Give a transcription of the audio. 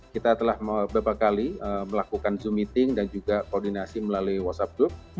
kita telah beberapa kali melakukan zoom meeting dan juga koordinasi melalui whatsapp group